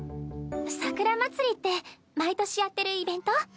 桜まつりって毎年やってるイベント？